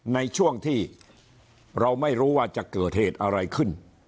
ในช่วงที่เราไม่รู้ว่าจะเกิดเหตุอะไรขึ้น